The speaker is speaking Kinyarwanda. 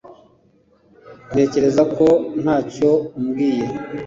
Ntekereza ko ntacyo umbwiye.